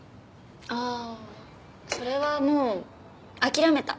あぁそれはもう諦めた。